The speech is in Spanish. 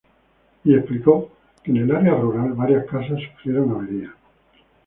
Y explicó que en el área rural varias casas sufrieron averías.